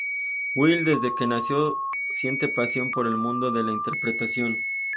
Will desde que nació siente pasión por el mundo de la interpretación.